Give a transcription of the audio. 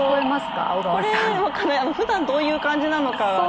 これ、ふだんどういう感じなのかが。